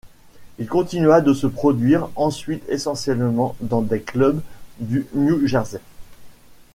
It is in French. Il continua de se produire ensuite essentiellement dans des clubs du New Jersey.